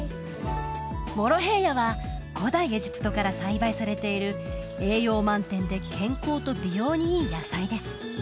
モロヘイヤは古代エジプトから栽培されている栄養満点で健康と美容にいい野菜です